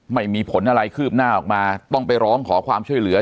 ไม่มีผลอะไรคืบหน้าออกมาต้องไปร้องขอความช่วยเหลือ